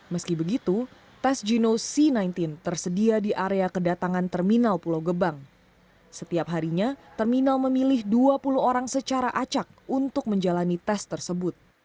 meski begitu tes geno c sembilan belas tersedia di area kedatangan terminal pulau gebang setiap harinya terminal memilih dua puluh orang secara acak untuk menjalani tes tersebut